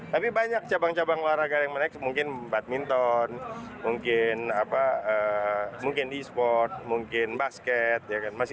tapi banyak cabang cabang olahraga yang menaik mungkin badminton mungkin e sport mungkin basket